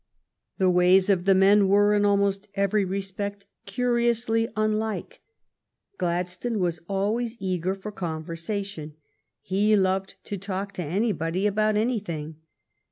The ways of the men were in almost every respect curiously unlike. Gladstone was always eager for conversation. He loved to talk to anybody about anything.